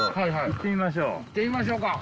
行ってみましょうか。